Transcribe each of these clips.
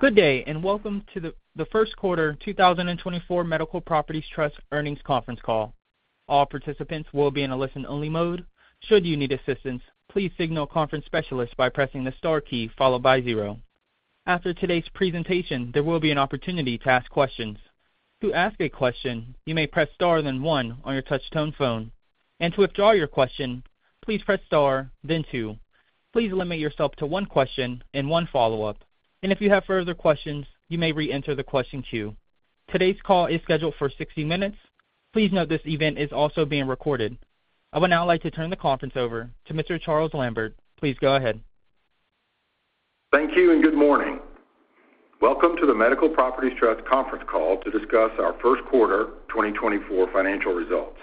Good day and welcome to the first quarter 2024 Medical Properties Trust earnings conference call. All participants will be in a listen-only mode. Should you need assistance, please signal Conference Specialist by pressing the star key followed by zero. After today's presentation, there will be an opportunity to ask questions. To ask a question, you may press star then one on your touch-tone phone. To withdraw your question, please press star then two. Please limit yourself to one question and one follow-up. If you have further questions, you may re-enter the question queue. Today's call is scheduled for 60 minutes. Please note this event is also being recorded. I would now like to turn the conference over to Mr. Charles Lambert. Please go ahead. Thank you and good morning. Welcome to the Medical Properties Trust conference call to discuss our first quarter 2024 financial results.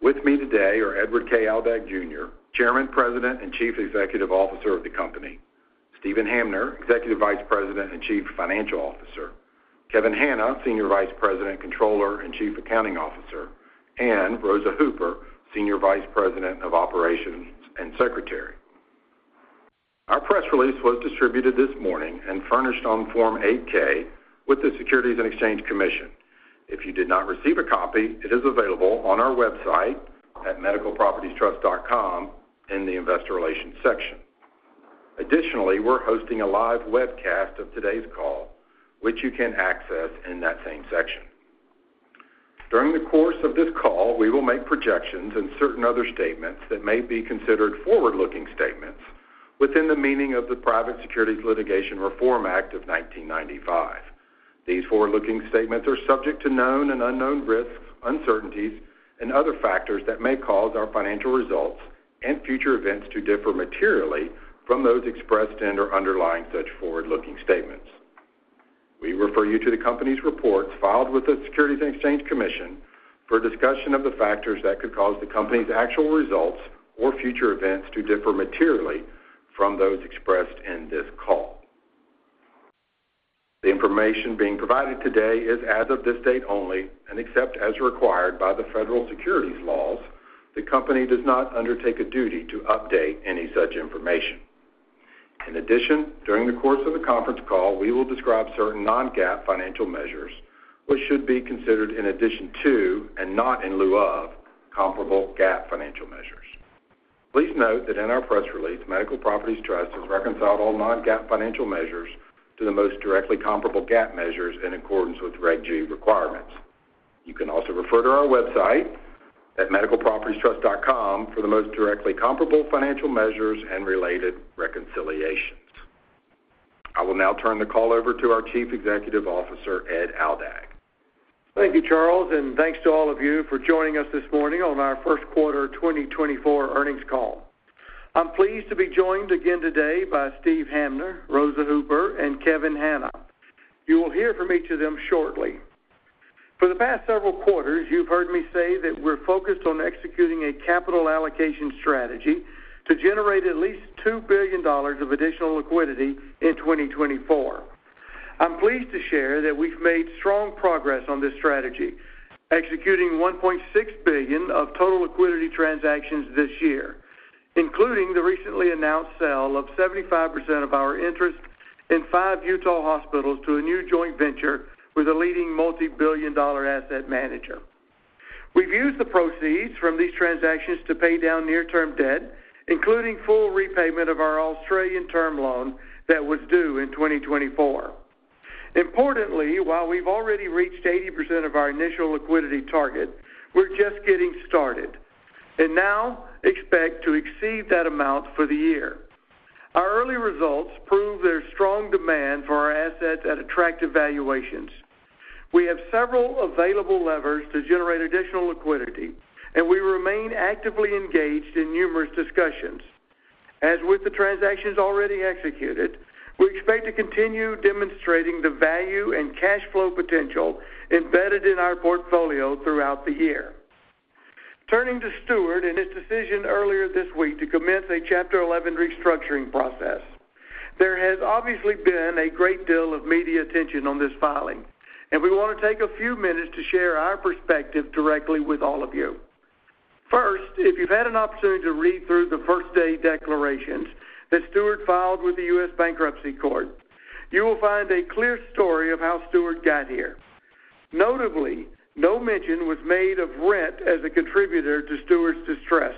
With me today are Edward K. Aldag, Jr., Chairman, President, and Chief Executive Officer of the company. Steven Hamner, Executive Vice President and Chief Financial Officer. Kevin Hanna, Senior Vice President, Controller, and Chief Accounting Officer. And Rosa Hooper, Senior Vice President of Operations and Secretary. Our press release was distributed this morning and furnished on Form 8-K with the Securities and Exchange Commission. If you did not receive a copy, it is available on our website at medicalpropertiestrust.com in the Investor Relations section. Additionally, we're hosting a live webcast of today's call, which you can access in that same section. During the course of this call, we will make projections and certain other statements that may be considered forward-looking statements within the meaning of the Private Securities Litigation Reform Act of 1995. These forward-looking statements are subject to known and unknown risks, uncertainties, and other factors that may cause our financial results and future events to differ materially from those expressed in or underlying such forward-looking statements. We refer you to the company's reports filed with the Securities and Exchange Commission for discussion of the factors that could cause the company's actual results or future events to differ materially from those expressed in this call. The information being provided today is as of this date only, and except as required by the federal securities laws, the company does not undertake a duty to update any such information. In addition, during the course of the conference call, we will describe certain non-GAAP financial measures, which should be considered in addition to and not in lieu of comparable GAAP financial measures. Please note that in our press release, Medical Properties Trust has reconciled all non-GAAP financial measures to the most directly comparable GAAP measures in accordance with Reg G requirements. You can also refer to our website at medicalpropertiestrust.com for the most directly comparable financial measures and related reconciliations. I will now turn the call over to our Chief Executive Officer, Ed Aldag. Thank you, Charles, and thanks to all of you for joining us this morning on our first quarter 2024 earnings call. I'm pleased to be joined again today by Steve Hamner, Rosa Hooper, and Kevin Hanna. You will hear from each of them shortly. For the past several quarters, you've heard me say that we're focused on executing a capital allocation strategy to generate at least $2 billion of additional liquidity in 2024. I'm pleased to share that we've made strong progress on this strategy, executing $1.6 billion of total liquidity transactions this year, including the recently announced sale of 75% of our interest in five Utah hospitals to a new joint venture with a leading multi-billion dollar asset manager. We've used the proceeds from these transactions to pay down near-term debt, including full repayment of our Australian term loan that was due in 2024. Importantly, while we've already reached 80% of our initial liquidity target, we're just getting started and now expect to exceed that amount for the year. Our early results prove there's strong demand for our assets at attractive valuations. We have several available levers to generate additional liquidity, and we remain actively engaged in numerous discussions. As with the transactions already executed, we expect to continue demonstrating the value and cash flow potential embedded in our portfolio throughout the year. Turning to Steward and his decision earlier this week to commence a Chapter 11 restructuring process, there has obviously been a great deal of media attention on this filing, and we want to take a few minutes to share our perspective directly with all of you. First, if you've had an opportunity to read through the first-day declarations that Steward filed with the U.S. Bankruptcy Court, you will find a clear story of how Steward got here. Notably, no mention was made of rent as a contributor to Steward's distress.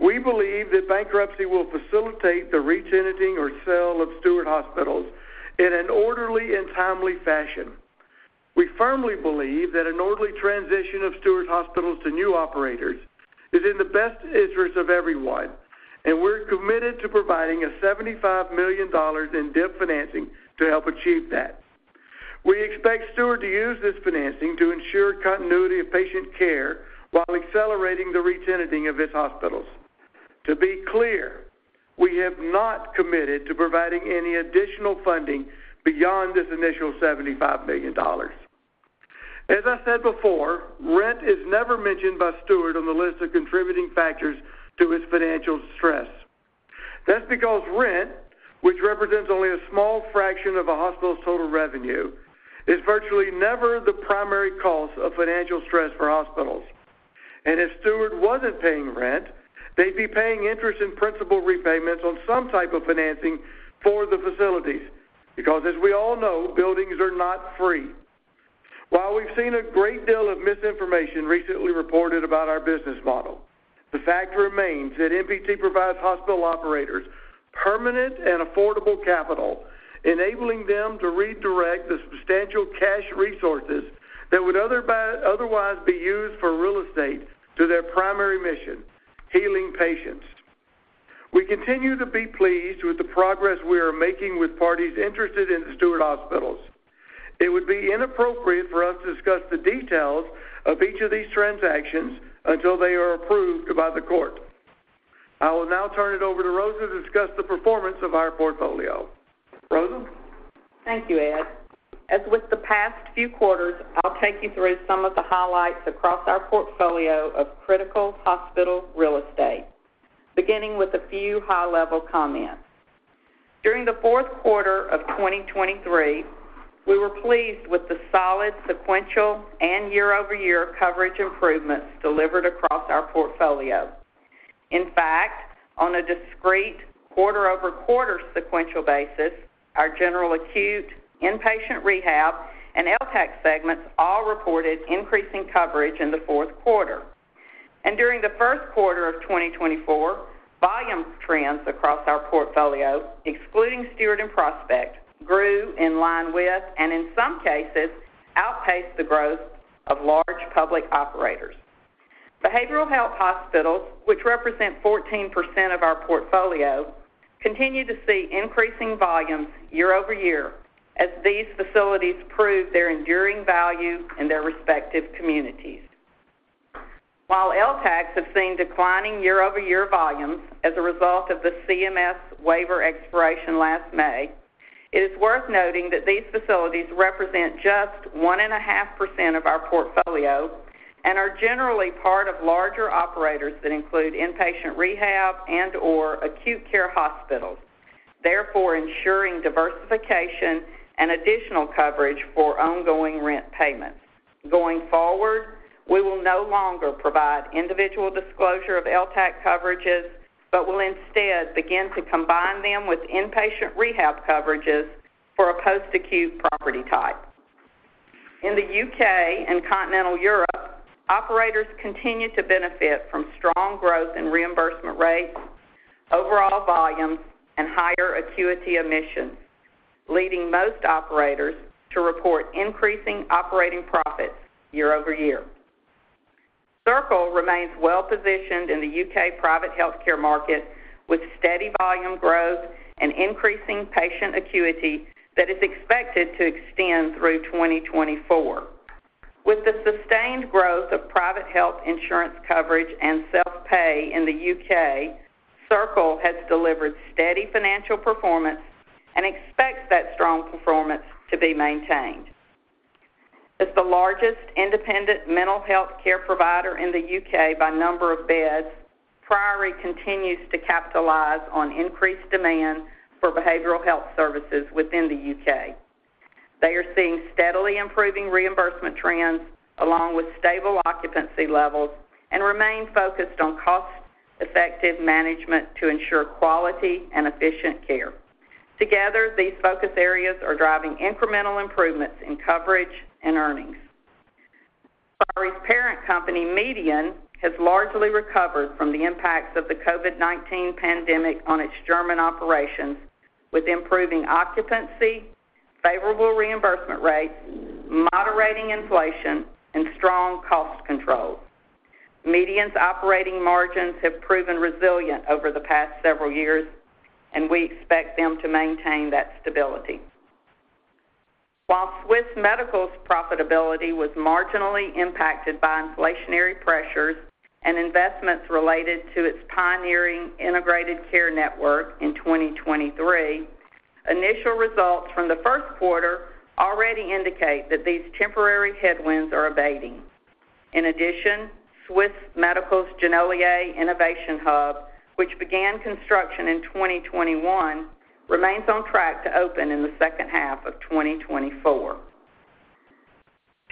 We believe that bankruptcy will facilitate the re-tenanting or sale of Steward hospitals in an orderly and timely fashion. We firmly believe that an orderly transition of Steward hospitals to new operators is in the best interest of everyone, and we're committed to providing $75 million in debt financing to help achieve that. We expect Steward to use this financing to ensure continuity of patient care while accelerating the re-tenanting of its hospitals. To be clear, we have not committed to providing any additional funding beyond this initial $75 million. As I said before, rent is never mentioned by Steward on the list of contributing factors to his financial stress. That's because rent, which represents only a small fraction of a hospital's total revenue, is virtually never the primary cause of financial stress for hospitals. And if Steward wasn't paying rent, they'd be paying interest and principal repayments on some type of financing for the facilities because, as we all know, buildings are not free. While we've seen a great deal of misinformation recently reported about our business model, the fact remains that MPT provides hospital operators permanent and affordable capital, enabling them to redirect the substantial cash resources that would otherwise be used for real estate to their primary mission: healing patients. We continue to be pleased with the progress we are making with parties interested in the Steward hospitals. It would be inappropriate for us to discuss the details of each of these transactions until they are approved by the court. I will now turn it over to Rosa to discuss the performance of our portfolio. Rosa? Thank you, Ed. As with the past few quarters, I'll take you through some of the highlights across our portfolio of critical hospital real estate, beginning with a few high-level comments. During the fourth quarter of 2023, we were pleased with the solid sequential and year-over-year coverage improvements delivered across our portfolio. In fact, on a discrete quarter-over-quarter sequential basis, our general acute, inpatient rehab, and LTCH segments all reported increasing coverage in the fourth quarter. During the first quarter of 2024, volume trends across our portfolio, excluding Steward and Prospect, grew in line with and, in some cases, outpaced the growth of large public operators. Behavioral health hospitals, which represent 14% of our portfolio, continue to see increasing volumes year-over-year as these facilities prove their enduring value in their respective communities. While LTCHs have seen declining year-over-year volumes as a result of the CMS waiver expiration last May, it is worth noting that these facilities represent just 1.5% of our portfolio and are generally part of larger operators that include inpatient rehab and/or acute care hospitals, therefore ensuring diversification and additional coverage for ongoing rent payments. Going forward, we will no longer provide individual disclosure of LTCH coverages but will instead begin to combine them with inpatient rehab coverages for a post-acute property type. In the U.K. and continental Europe, operators continue to benefit from strong growth in reimbursement rates, overall volumes, and higher acuity admissions, leading most operators to report increasing operating profits year-over-year. Circle remains well-positioned in the U.K. private healthcare market with steady volume growth and increasing patient acuity that is expected to extend through 2024. With the sustained growth of private health insurance coverage and self-pay in the U.K., Circle has delivered steady financial performance and expects that strong performance to be maintained. As the largest independent mental healthcare provider in the U.K. by number of beds, Priory continues to capitalize on increased demand for behavioral health services within the U.K. They are seeing steadily improving reimbursement trends along with stable occupancy levels and remain focused on cost-effective management to ensure quality and efficient care. Together, these focus areas are driving incremental improvements in coverage and earnings. Priory's parent company, MEDIAN, has largely recovered from the impacts of the COVID-19 pandemic on its German operations with improving occupancy, favorable reimbursement rates, moderating inflation, and strong cost control. MEDIAN's operating margins have proven resilient over the past several years, and we expect them to maintain that stability. While Swiss Medical's profitability was marginally impacted by inflationary pressures and investments related to its pioneering integrated care network in 2023, initial results from the first quarter already indicate that these temporary headwinds are abating. In addition, Swiss Medical's Genolier Innovation Hub, which began construction in 2021, remains on track to open in the second half of 2024.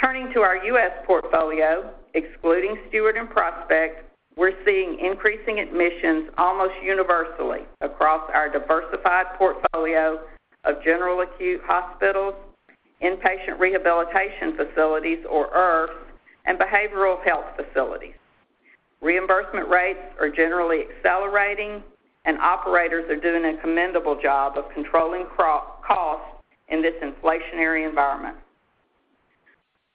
Turning to our U.S. portfolio, excluding Steward and Prospect, we're seeing increasing admissions almost universally across our diversified portfolio of general acute hospitals, inpatient rehabilitation facilities, or IRFs, and behavioral health facilities. Reimbursement rates are generally accelerating, and operators are doing a commendable job of controlling costs in this inflationary environment.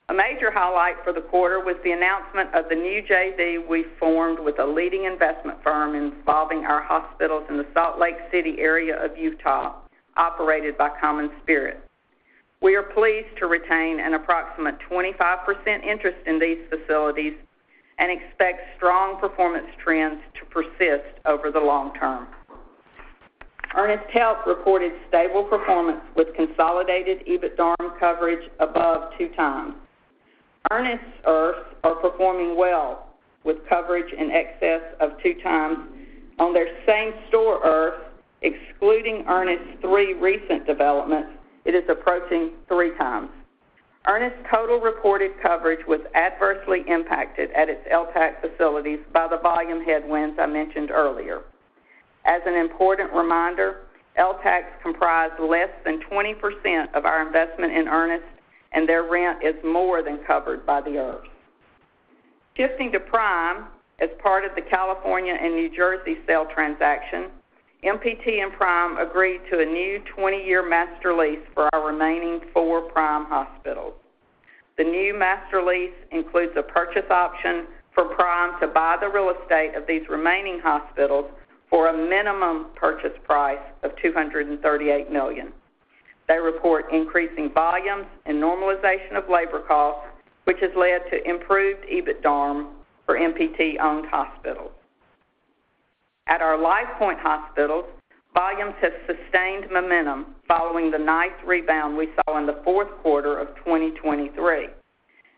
A major highlight for the quarter was the announcement of the new JV we formed with a leading investment firm involving our hospitals in the Salt Lake City area of Utah, operated by CommonSpirit. We are pleased to retain an approximate 25% interest in these facilities and expect strong performance trends to persist over the long term. Ernest Health reported stable performance with consolidated EBITDARM coverage above 2x. Ernest's IRFs are performing well with coverage in excess of 2x. On their same store IRF, excluding Ernest's three recent developments, it is approaching 3x. Ernest's total reported coverage was adversely impacted at its LTCH facilities by the volume headwinds I mentioned earlier. As an important reminder, LTCHs comprise less than 20% of our investment in Ernest, and their rent is more than covered by the IRFs. Shifting to Prime, as part of the California and New Jersey sale transaction, MPT and Prime agreed to a new 20-year master lease for our remaining four Prime hospitals. The new master lease includes a purchase option for Prime to buy the real estate of these remaining hospitals for a minimum purchase price of $238 million. They report increasing volumes and normalization of labor costs, which has led to improved EBITDARM for MPT-owned hospitals. At our LifePoint hospitals, volumes have sustained momentum following the ninth rebound we saw in the fourth quarter of 2023.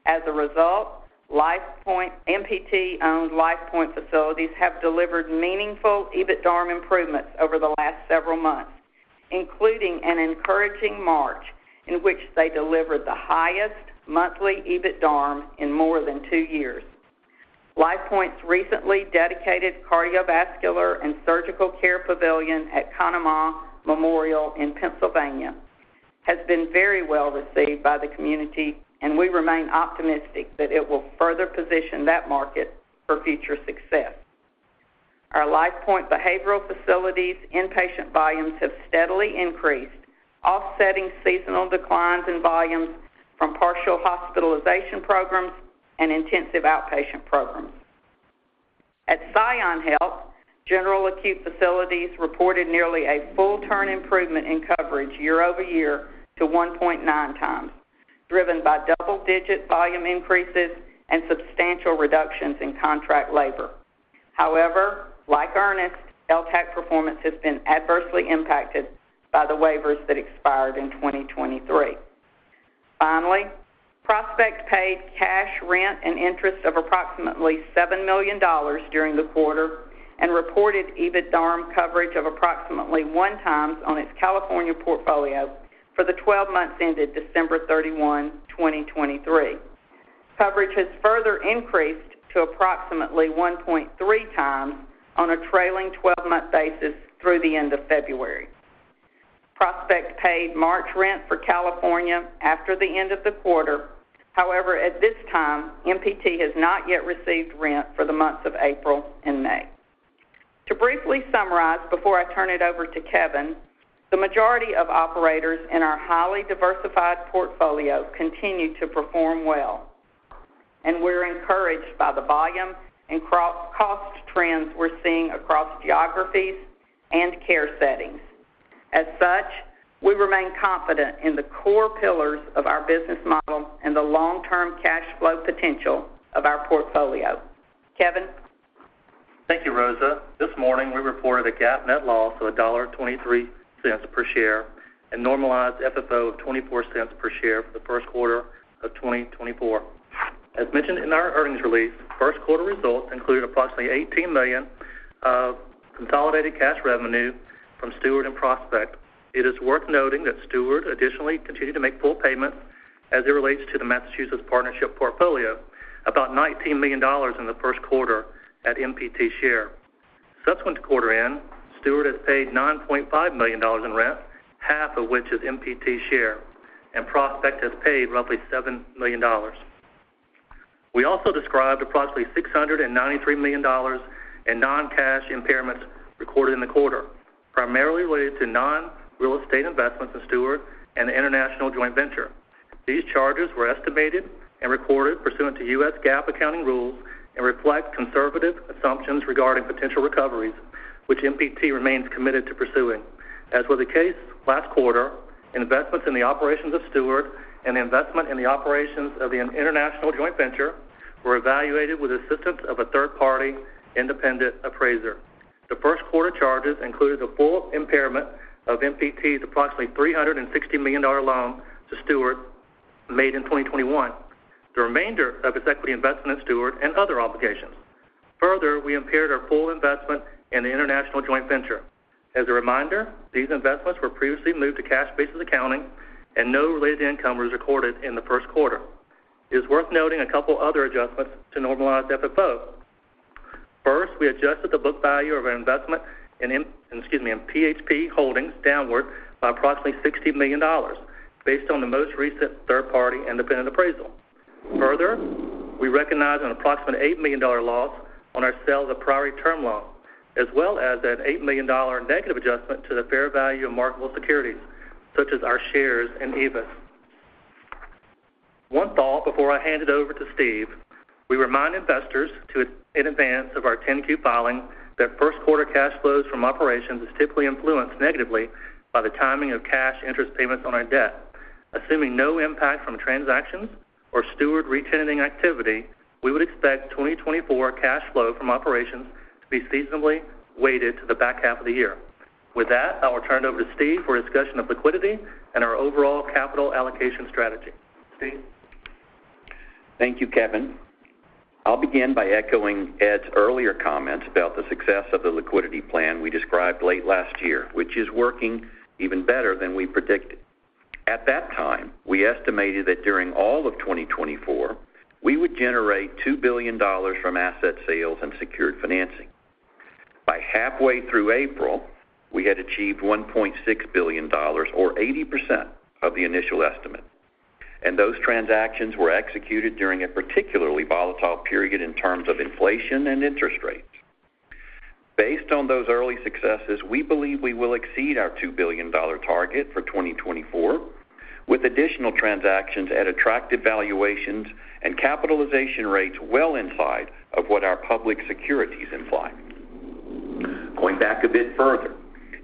As a result, MPT-owned LifePoint facilities have delivered meaningful EBITDARM improvements over the last several months, including an encouraging March in which they delivered the highest monthly EBITDARM in more than two years. LifePoint's recently dedicated cardiovascular and surgical care pavilion at Conemaugh Memorial in Pennsylvania has been very well received by the community, and we remain optimistic that it will further position that market for future success. Our LifePoint behavioral facilities' inpatient volumes have steadily increased, offsetting seasonal declines in volumes from partial hospitalization programs and intensive outpatient programs. At ScionHealth, general acute facilities reported nearly a full-turn improvement in coverage year-over-year to 1.9x, driven by double-digit volume increases and substantial reductions in contract labor. However, like Ernest, LTCH performance has been adversely impacted by the waivers that expired in 2023. Finally, Prospect paid cash rent and interest of approximately $7 million during the quarter and reported EBITDARM coverage of approximately 1x on its California portfolio for the 12 months ended December 31, 2023. Coverage has further increased to approximately 1.3x on a trailing 12-month basis through the end of February. Prospect paid March rent for California after the end of the quarter. However, at this time, MPT has not yet received rent for the months of April and May. To briefly summarize before I turn it over to Kevin, the majority of operators in our highly diversified portfolio continue to perform well, and we're encouraged by the volume and cost trends we're seeing across geographies and care settings. As such, we remain confident in the core pillars of our business model and the long-term cash flow potential of our portfolio. Kevin? Thank you, Rosa. This morning, we reported a GAAP net loss of $1.23 per share and normalized FFO of $0.24 per share for the first quarter of 2024. As mentioned in our earnings release, first quarter results included approximately $18 million of consolidated cash revenue from Steward and Prospect. It is worth noting that Steward additionally continued to make full payments as it relates to the Massachusetts Partnership portfolio, about $19 million in the first quarter at MPT share. Subsequent to quarter end, Steward has paid $9.5 million in rent, half of which is MPT share, and Prospect has paid roughly $7 million. We also described approximately $693 million in non-cash impairments recorded in the quarter, primarily related to non-real estate investments in Steward and the international joint venture. These charges were estimated and recorded pursuant to U.S. GAAP accounting rules and reflect conservative assumptions regarding potential recoveries, which MPT remains committed to pursuing. As was the case last quarter, investments in the operations of Steward and the investment in the operations of the international joint venture were evaluated with assistance of a third-party independent appraiser. The first quarter charges included the full impairment of MPT's approximately $360 million loan to Steward made in 2021, the remainder of its equity investment in Steward, and other obligations. Further, we impaired our full investment in the international joint venture. As a reminder, these investments were previously moved to cash-based accounting, and no related income was recorded in the first quarter. It is worth noting a couple of other adjustments to normalize FFO. First, we adjusted the book value of our investment in PHP Holdings downward by approximately $60 million based on the most recent third-party independent appraisal. Further, we recognized an approximate $8 million loss on our sale of a Priory term loan, as well as an $8 million negative adjustment to the fair value of marketable securities such as our shares and Aedifica. One thought before I hand it over to Steve. We remind investors in advance of our 10-Q filing that first quarter cash flows from operations are typically influenced negatively by the timing of cash interest payments on our debt. Assuming no impact from transactions or Steward rent tendering activity, we would expect 2024 cash flow from operations to be seasonably weighted to the back half of the year. With that, I will turn it over to Steve for a discussion of liquidity and our overall capital allocation strategy. Steve? Thank you, Kevin. I'll begin by echoing Ed's earlier comments about the success of the liquidity plan we described late last year, which is working even better than we predicted. At that time, we estimated that during all of 2024, we would generate $2 billion from asset sales and secured financing. By halfway through April, we had achieved $1.6 billion, or 80% of the initial estimate, and those transactions were executed during a particularly volatile period in terms of inflation and interest rates. Based on those early successes, we believe we will exceed our $2 billion target for 2024 with additional transactions at attractive valuations and capitalization rates well inside of what our public securities imply. Going back a bit further,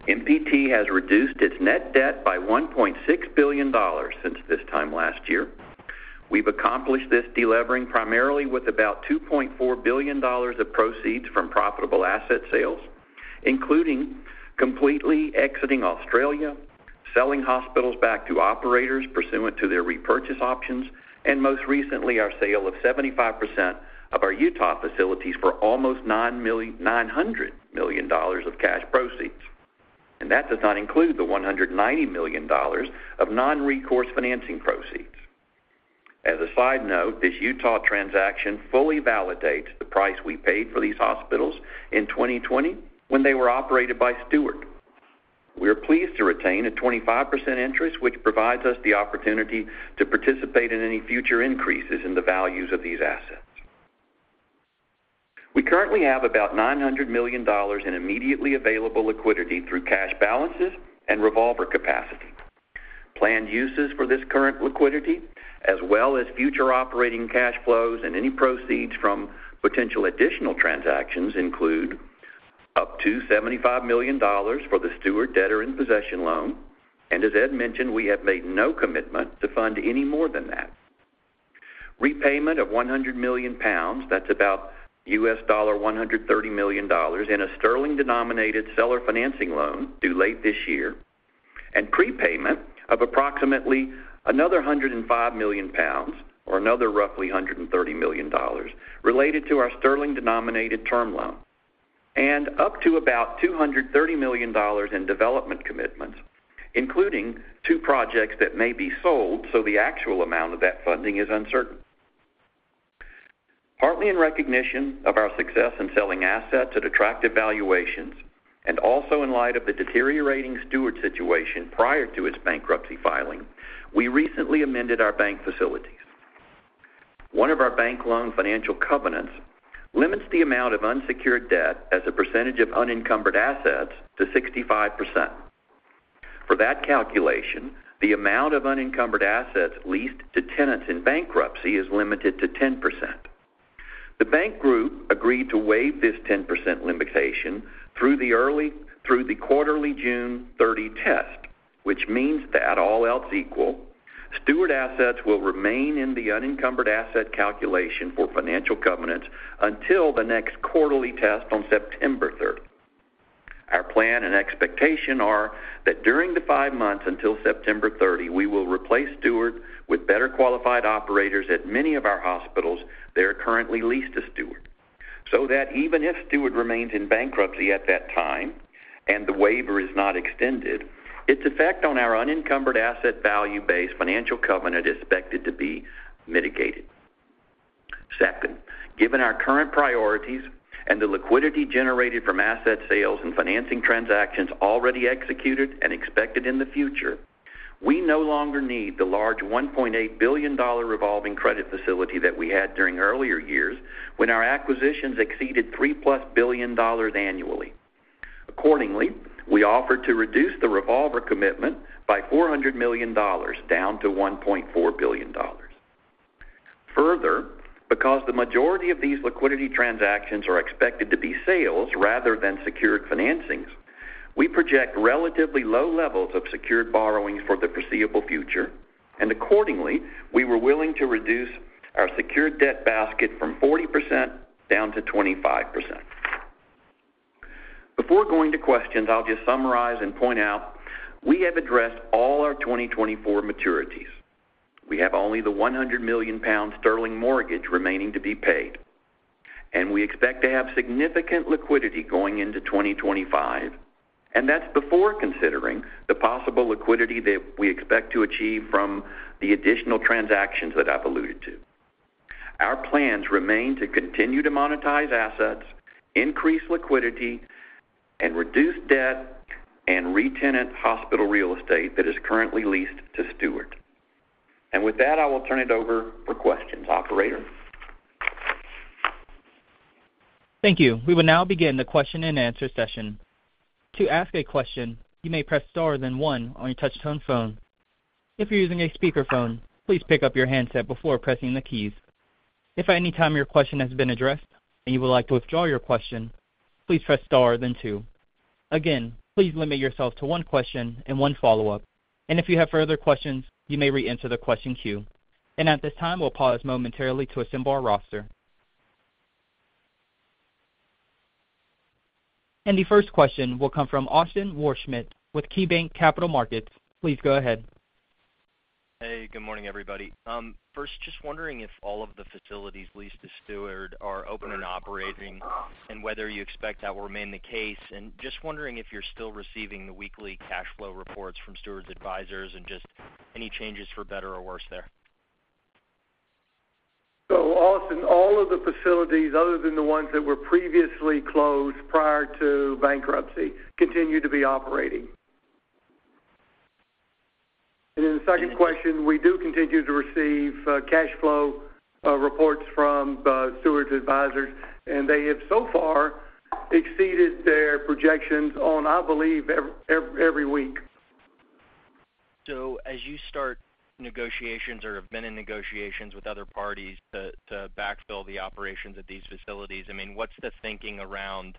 MPT has reduced its net debt by $1.6 billion since this time last year. We've accomplished this delivering primarily with about $2.4 billion of proceeds from profitable asset sales, including completely exiting Australia, selling hospitals back to operators pursuant to their repurchase options, and most recently, our sale of 75% of our Utah facilities for almost $900 million of cash proceeds. That does not include the $190 million of non-recourse financing proceeds. As a side note, this Utah transaction fully validates the price we paid for these hospitals in 2020 when they were operated by Steward. We are pleased to retain a 25% interest, which provides us the opportunity to participate in any future increases in the values of these assets. We currently have about $900 million in immediately available liquidity through cash balances and revolver capacity. Planned uses for this current liquidity, as well as future operating cash flows and any proceeds from potential additional transactions, include up to $75 million for the Steward debtor in possession loan. As Ed mentioned, we have made no commitment to fund any more than that. Repayment of 100 million pounds, that's about $130 million, in a sterling-denominated seller financing loan due late this year, and prepayment of approximately another 105 million pounds, or another roughly $130 million, related to our sterling-denominated term loan, and up to about $230 million in development commitments, including two projects that may be sold, so the actual amount of that funding is uncertain. Partly in recognition of our success in selling assets at attractive valuations and also in light of the deteriorating Steward situation prior to its bankruptcy filing, we recently amended our bank facilities. One of our bank loan financial covenants limits the amount of unsecured debt as a percentage of unencumbered assets to 65%. For that calculation, the amount of unencumbered assets leased to tenants in bankruptcy is limited to 10%. The bank group agreed to waive this 10% limitation through the quarterly June 30 test, which means that, all else equal, Steward assets will remain in the unencumbered asset calculation for financial covenants until the next quarterly test on September 30. Our plan and expectation are that during the five months until September 30, we will replace Steward with better qualified operators at many of our hospitals that are currently leased to Steward, so that even if Steward remains in bankruptcy at that time and the waiver is not extended, its effect on our unencumbered asset value-based financial covenant is expected to be mitigated. Second, given our current priorities and the liquidity generated from asset sales and financing transactions already executed and expected in the future, we no longer need the large $1.8 billion revolving credit facility that we had during earlier years when our acquisitions exceeded $3+ billion annually. Accordingly, we offered to reduce the revolver commitment by $400 million down to $1.4 billion. Further, because the majority of these liquidity transactions are expected to be sales rather than secured financings, we project relatively low levels of secured borrowings for the foreseeable future, and accordingly, we were willing to reduce our secured debt basket from 40% down to 25%. Before going to questions, I'll just summarize and point out we have addressed all our 2024 maturities. We have only the 100 million sterling mortgage remaining to be paid, and we expect to have significant liquidity going into 2025, and that's before considering the possible liquidity that we expect to achieve from the additional transactions that I've alluded to. Our plans remain to continue to monetize assets, increase liquidity, and reduce debt and retenant hospital real estate that is currently leased to Steward. And with that, I will turn it over for questions. Operator? Thank you. We will now begin the question-and-answer session. To ask a question, you may press star, then one on your touch-tone phone. If you're using a speakerphone, please pick up your handset before pressing the keys. If at any time your question has been addressed and you would like to withdraw your question, please press star, then two. Again, please limit yourself to one question and one follow-up, and if you have further questions, you may re-enter the question queue. At this time, we'll pause momentarily to assemble our roster. The first question will come from Austin Wurschmidt with KeyBank Capital Markets. Please go ahead. Hey, good morning, everybody. First, just wondering if all of the facilities leased to Steward are open and operating and whether you expect that will remain the case. Just wondering if you're still receiving the weekly cash flow reports from Steward's advisors and just any changes for better or worse there. So Austin, all of the facilities, other than the ones that were previously closed prior to bankruptcy, continue to be operating. In the second question, we do continue to receive cash flow reports from Steward's advisors, and they have, so far, exceeded their projections on, I believe, every week. As you start negotiations or have been in negotiations with other parties to backfill the operations at these facilities, I mean, what's the thinking around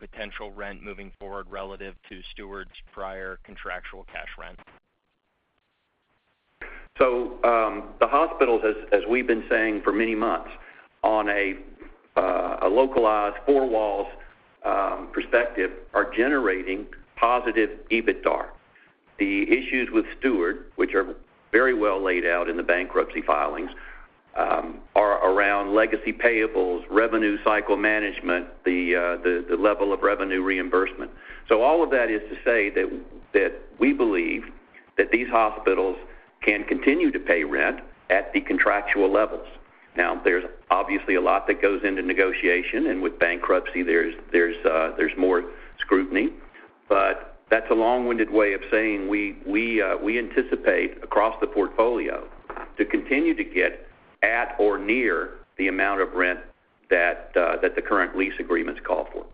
potential rent moving forward relative to Steward's prior contractual cash rent? So the hospitals, as we've been saying for many months on a localized four-walls perspective, are generating positive EBITDA. The issues with Steward, which are very well laid out in the bankruptcy filings, are around legacy payables, revenue cycle management, the level of revenue reimbursement. So all of that is to say that we believe that these hospitals can continue to pay rent at the contractual levels. Now, there's obviously a lot that goes into negotiation, and with bankruptcy, there's more scrutiny. But that's a long-winded way of saying we anticipate across the portfolio to continue to get at or near the amount of rent that the current lease agreements call for.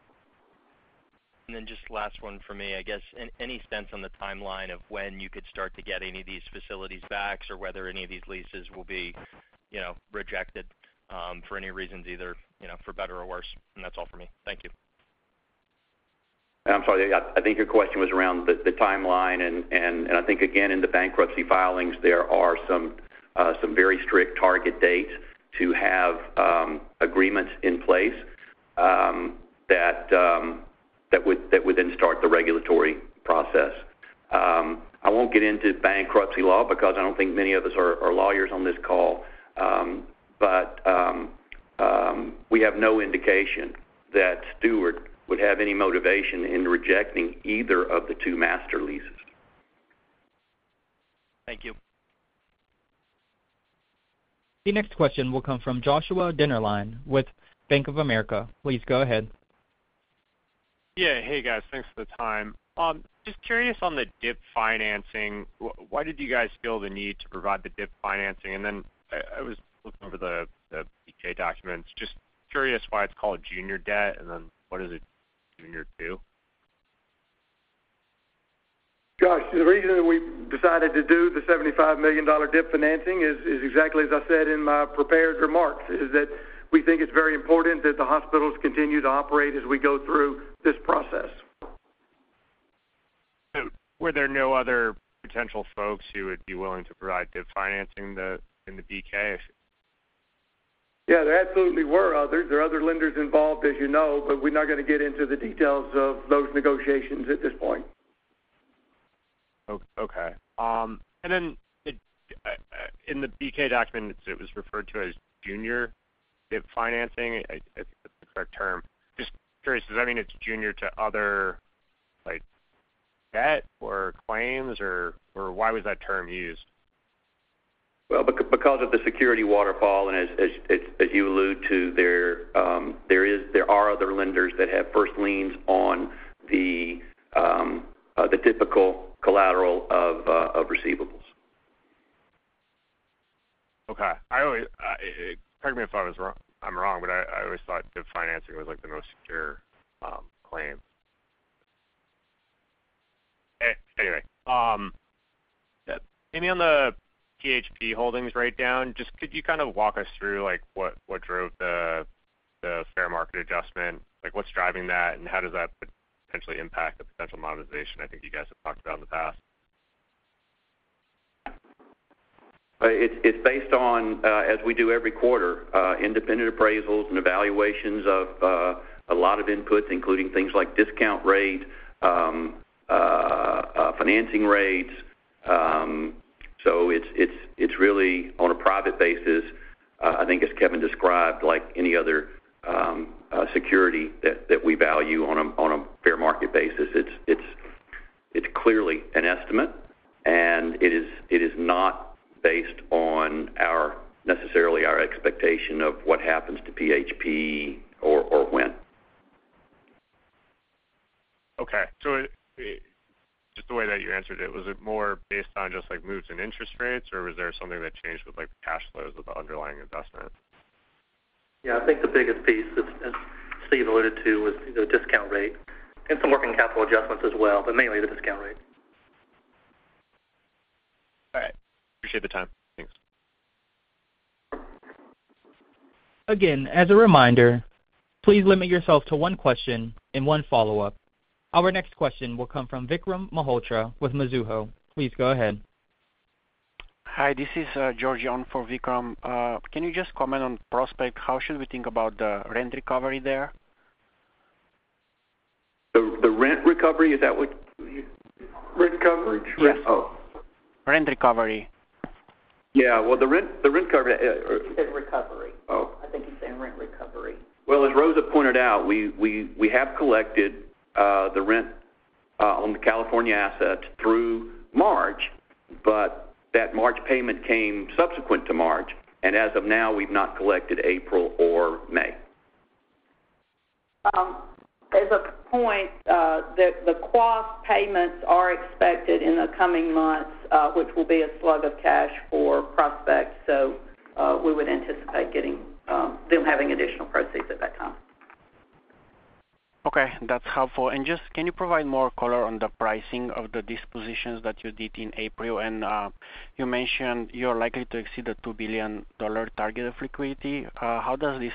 Just last one for me, I guess, any stance on the timeline of when you could start to get any of these facilities back or whether any of these leases will be rejected for any reasons, either for better or worse. That's all from me. Thank you. I'm sorry. I think your question was around the timeline, and I think, again, in the bankruptcy filings, there are some very strict target dates to have agreements in place that would then start the regulatory process. I won't get into bankruptcy law because I don't think many of us are lawyers on this call, but we have no indication that Steward would have any motivation in rejecting either of the two master leases. Thank you. The next question will come from Joshua Dennerlein with Bank of America. Please go ahead. Yeah. Hey, guys. Thanks for the time. Just curious on the DIP financing, why did you guys feel the need to provide the DIP financing? And then I was looking over the 8-K documents. Just curious why it's called junior debt and then what is it junior to? Gosh, the reason that we decided to do the $75 million DIP financing is exactly as I said in my prepared remarks, is that we think it's very important that the hospitals continue to operate as we go through this process. Were there no other potential folks who would be willing to provide DIP financing in the BK? Yeah, there absolutely were others. There are other lenders involved, as you know, but we're not going to get into the details of those negotiations at this point. Okay. And then in the 8-K document, it was referred to as junior DIP financing. I think that's the correct term. Just curious, does that mean it's junior to other debt or claims, or why was that term used? Well, because of the security waterfall, and as you alluded to, there are other lenders that have first liens on the typical collateral of receivables. Okay. Correct me if I'm wrong, but I always thought DIP financing was the most secure claim. Anyway, any on the PHP Holdings write-down, just could you kind of walk us through what drove the fair market adjustment? What's driving that, and how does that potentially impact the potential monetization I think you guys have talked about in the past? It's based on, as we do every quarter, independent appraisals and evaluations of a lot of inputs, including things like discount rates, financing rates. So it's really on a private basis. I think, as Kevin described, like any other security that we value on a fair market basis, it's clearly an estimate, and it is not based on necessarily our expectation of what happens to PHP or when. Okay. So just the way that you answered it, was it more based on just moves in interest rates, or was there something that changed with the cash flows of the underlying investment? Yeah, I think the biggest piece, as Steve alluded to, was the discount rate and some working capital adjustments as well, but mainly the discount rate. All right. Appreciate the time. Thanks. Again, as a reminder, please limit yourself to one question and one follow-up. Our next question will come from Vikram Malhotra with Mizuho. Please go ahead. Hi, this is George Wang for Vikram. Can you just comment on Prospect? How should we think about the rent recovery there? The rent recovery? Is that what your rent coverage? Yes. Rent recovery. Yeah. Well, the rent coverage. Rent recovery. I think he's saying rent recovery. Well, as Rosa pointed out, we have collected the rent on the California assets through March, but that March payment came subsequent to March, and as of now, we've not collected April or May. As of the point, the QAF payments are expected in the coming months, which will be a slug of cash for Prospect, so we would anticipate them having additional proceeds at that time. Okay. That's helpful. Just can you provide more color on the pricing of the dispositions that you did in April? And you mentioned you're likely to exceed the $2 billion target of liquidity. How does this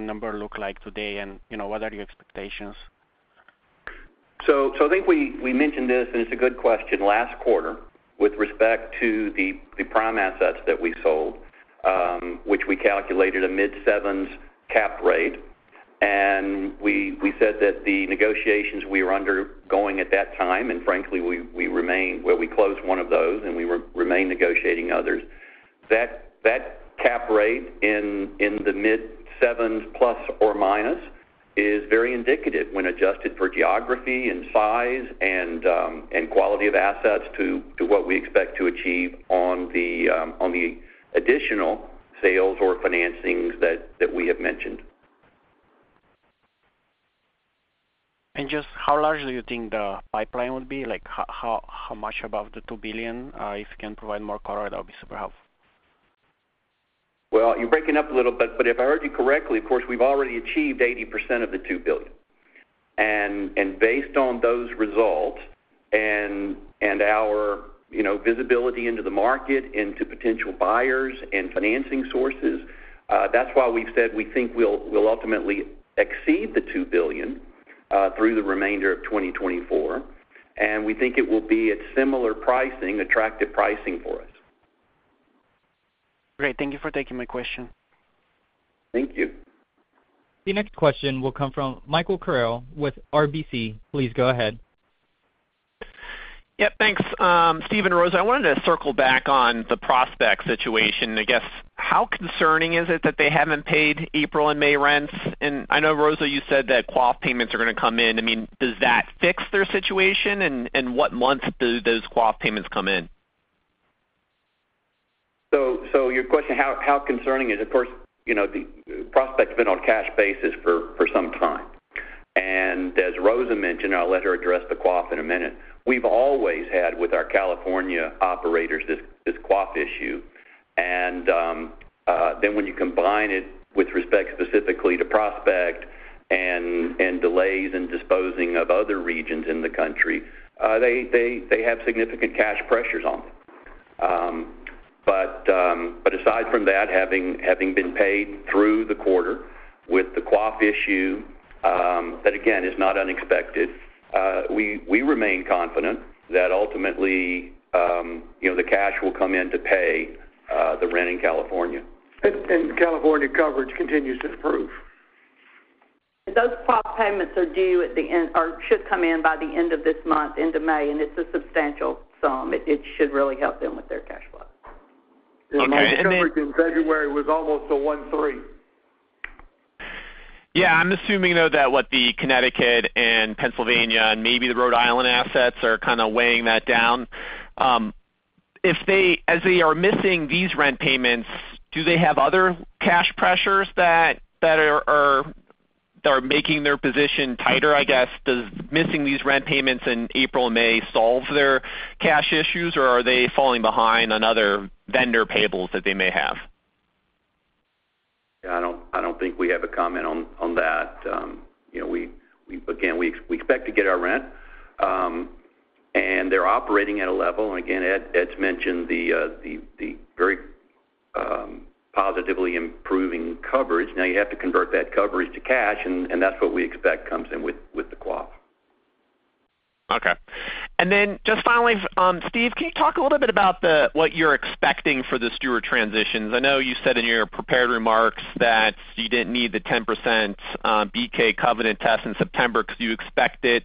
number look like today, and what are your expectations? So I think we mentioned this, and it's a good question, last quarter with respect to the prime assets that we sold, which we calculated a mid-sevens cap rate, and we said that the negotiations we were undergoing at that time, and frankly, we remain, well, we closed one of those, and we remain negotiating others. That cap rate in the mid-sevens ± is very indicative when adjusted for geography and size and quality of assets to what we expect to achieve on the additional sales or financings that we have mentioned. Just how large do you think the pipeline would be? How much above the $2 billion? If you can provide more color, that would be super helpful. Well, you're breaking up a little bit, but if I heard you correctly, of course, we've already achieved 80% of the $2 billion. Based on those results and our visibility into the market, into potential buyers and financing sources, that's why we've said we think we'll ultimately exceed the $2 billion through the remainder of 2024, and we think it will be a similar pricing, attractive pricing for us. Great. Thank you for taking my question. Thank you. The next question will come from Michael Carroll with RBC. Please go ahead. Yep. Thanks. Steve and Rosa, I wanted to circle back on the Prospect situation. I guess, how concerning is it that they haven't paid April and May rents? And I know, Rosa, you said that quoth payments are going to come in. I mean, does that fix their situation, and what month do those quoth payments come in? So, your question, how concerning is? Of course, Prospect's been on a cash basis for some time, and as Rosa mentioned, and I'll let her address the Quoth in a minute, we've always had with our California operators this Quoth issue. And then when you combine it with respect specifically to Prospect and delays in disposing of other regions in the country, they have significant cash pressures on them. But aside from that, having been paid through the quarter with the Quoth issue that, again, is not unexpected, we remain confident that ultimately the cash will come in to pay the rent in California. California coverage continues to improve. Those Quoth payments are due at the end or should come in by the end of this month, end of May, and it's a substantial sum. It should really help them with their cash flow. Okay. And then. I'm sure again, February was almost a 1.3. Yeah. I'm assuming, though, that what the Connecticut and Pennsylvania and maybe the Rhode Island assets are kind of weighing that down. As they are missing these rent payments, do they have other cash pressures that are making their position tighter? I guess, does missing these rent payments in April and May solve their cash issues, or are they falling behind on other vendor payables that they may have? Yeah. I don't think we have a comment on that. Again, we expect to get our rent, and they're operating at a level. And again, Ed's mentioned the very positively improving coverage. Now, you have to convert that coverage to cash, and that's what we expect comes in with the quoth. Okay. And then just finally, Steve, can you talk a little bit about what you're expecting for the Steward transitions? I know you said in your prepared remarks that you didn't need the 10% BK covenant test in September because you expected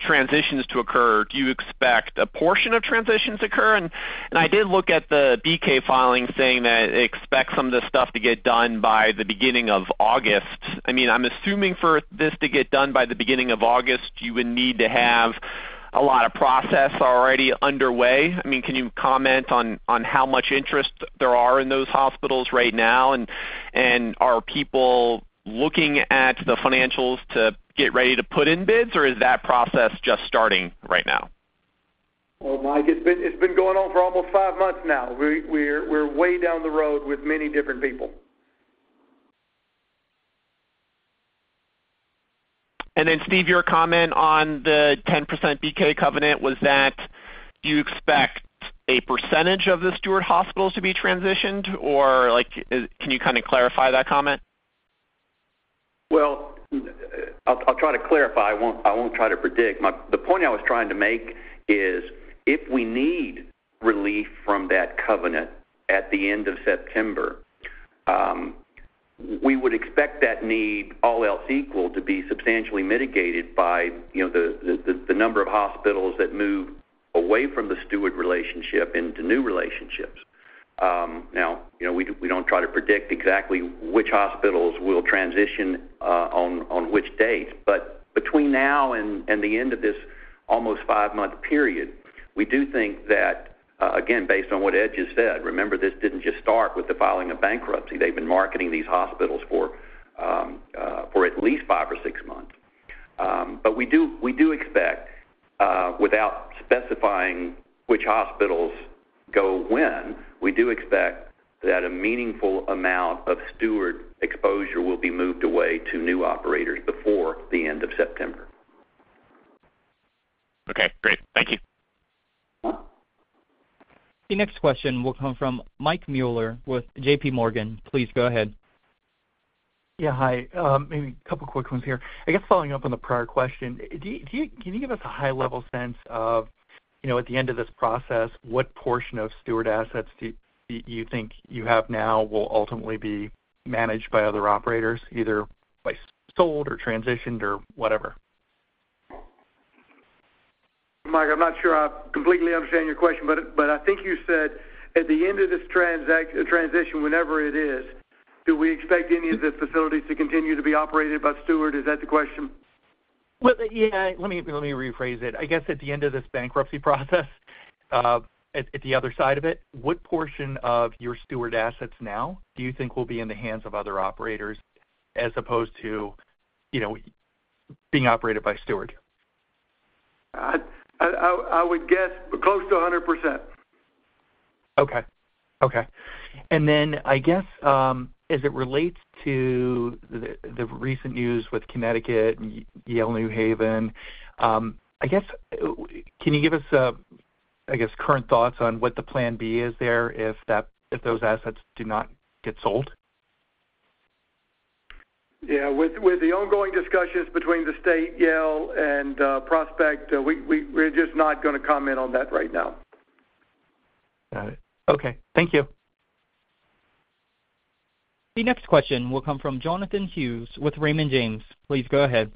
transitions to occur. Do you expect a portion of transitions to occur? And I did look at the BK filing saying that it expects some of this stuff to get done by the beginning of August. I mean, I'm assuming for this to get done by the beginning of August, you would need to have a lot of process already underway. I mean, can you comment on how much interest there are in those hospitals right now, and are people looking at the financials to get ready to put in bids, or is that process just starting right now? Well, Mike, it's been going on for almost five months now. We're way down the road with many different people. And then, Steve, your comment on the 10% BK covenant, was that you expect a percentage of the Steward hospitals to be transitioned, or can you kind of clarify that comment? Well, I'll try to clarify. I won't try to predict. The point I was trying to make is if we need relief from that covenant at the end of September, we would expect that need, all else equal, to be substantially mitigated by the number of hospitals that move away from the Steward relationship into new relationships. Now, we don't try to predict exactly which hospitals will transition on which dates, but between now and the end of this almost five-month period, we do think that, again, based on what Ed just said remember, this didn't just start with the filing of bankruptcy. They've been marketing these hospitals for at least five or six months. But we do expect, without specifying which hospitals go when, we do expect that a meaningful amount of Steward exposure will be moved away to new operators before the end of September. Okay. Great. Thank you. The next question will come from Mike Mueller with J.P. Morgan. Please go ahead. Yeah. Hi. Maybe a couple of quick ones here. I guess following up on the prior question, can you give us a high-level sense of, at the end of this process, what portion of Steward assets do you think you have now will ultimately be managed by other operators, either sold or transitioned or whatever? Mike, I'm not sure I completely understand your question, but I think you said, "At the end of this transition, whenever it is, do we expect any of the facilities to continue to be operated by Steward?" Is that the question? Well, yeah. Let me rephrase it. I guess at the end of this bankruptcy process, at the other side of it, what portion of your Steward assets now do you think will be in the hands of other operators as opposed to being operated by Steward? I would guess close to 100%. Okay. Okay. And then, I guess, as it relates to the recent news with Connecticut, Yale New Haven, I guess, can you give us, I guess, current thoughts on what the plan B is there if those assets do not get sold? Yeah. With the ongoing discussions between the state, Yale, and Prospect, we're just not going to comment on that right now. Got it. Okay. Thank you. The next question will come from Jonathan Hughes with Raymond James. Please go ahead.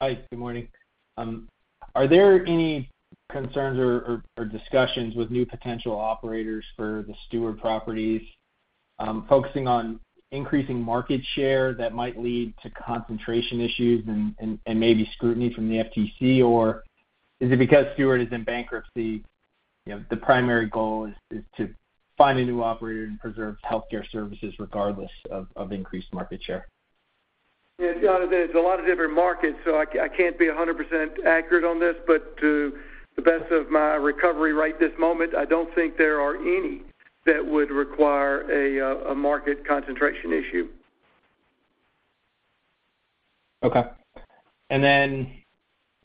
Hi. Good morning. Are there any concerns or discussions with new potential operators for the Steward properties, focusing on increasing market share that might lead to concentration issues and maybe scrutiny from the FTC, or is it because Steward is in bankruptcy, the primary goal is to find a new operator and preserve healthcare services regardless of increased market share? Yeah. It's a lot of different markets, so I can't be 100% accurate on this. But to the best of my recollection right this moment, I don't think there are any that would require a market concentration issue. Okay. And then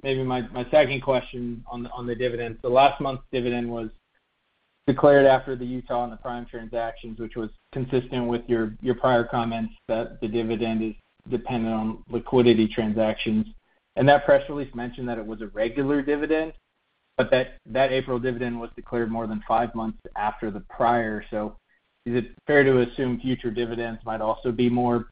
maybe my second question on the dividends. The last month's dividend was declared after the Utah and the Prime transactions, which was consistent with your prior comments that the dividend is dependent on liquidity transactions. And that press release mentioned that it was a regular dividend, but that April dividend was declared more than five months after the prior. So is it fair to assume future dividends might also be more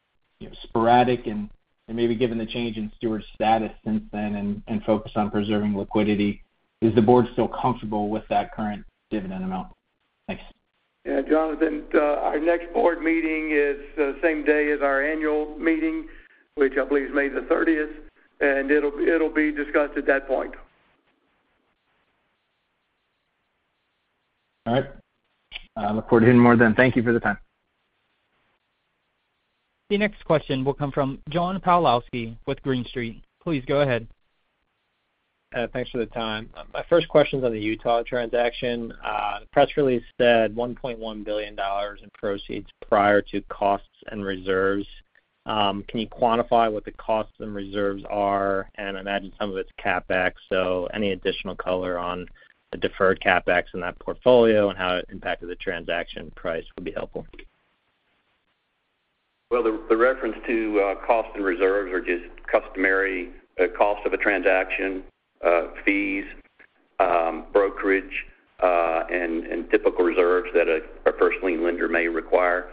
sporadic? And maybe given the change in Steward's status since then and focus on preserving liquidity, is the board still comfortable with that current dividend amount? Thanks. Yeah. Jonathan, our next board meeting is the same day as our annual meeting, which I believe is May the 30th, and it'll be discussed at that point. All right. I look forward to hearing more then. Thank you for the time. The next question will come from John Pawlowski with Green Street. Please go ahead. Thanks for the time. My first question's on the Utah transaction. The press release said $1.1 billion in proceeds prior to costs and reserves. Can you quantify what the costs and reserves are? I imagine some of it's CapEx, so any additional color on the deferred CapEx in that portfolio and how it impacted the transaction price would be helpful. Well, the reference to costs and reserves are just customary costs of a transaction, fees, brokerage, and typical reserves that a first-line lender may require.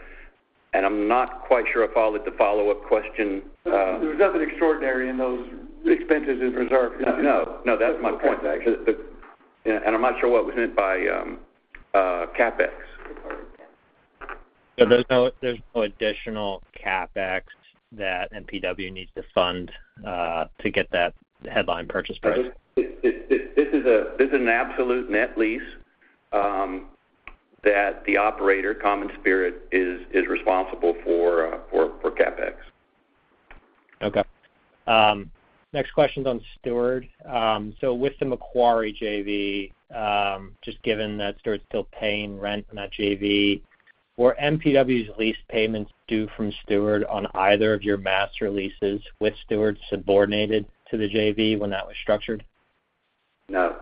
I'm not quite sure if I'll let the follow-up question. There was nothing extraordinary in those expenses in reserve. No. No. That's my point. And I'm not sure what was meant by CapEx. Yeah. There's no additional CapEx that NPW needs to fund to get that headline purchase price. This is an absolute net lease that the operator, CommonSpirit, is responsible for CapEx. Okay. Next question's on Steward. So with the Macquarie JV, just given that Steward's still paying rent on that JV, were MPT's lease payments due from Steward on either of your master leases with Steward subordinated to the JV when that was structured? No. Okay.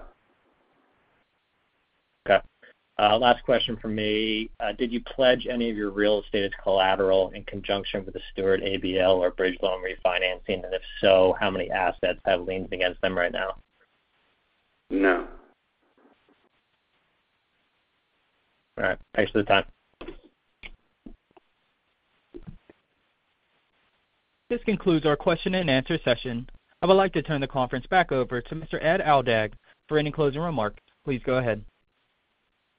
Last question from me. Did you pledge any of your real estate as collateral in conjunction with the Steward ABL or bridge loan refinancing? And if so, how many assets have liened against them right now? No. All right. Thanks for the time. This concludes our question-and-answer session. I would like to turn the conference back over to Mr. Ed Aldag. For any closing remarks, please go ahead.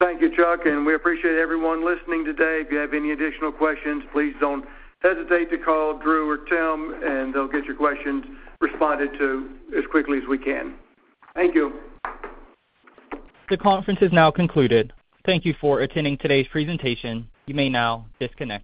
Thank you, Chuck. We appreciate everyone listening today. If you have any additional questions, please don't hesitate to call Drew or Tim, and they'll get your questions responded to as quickly as we can. Thank you. The conference is now concluded. Thank you for attending today's presentation. You may now disconnect.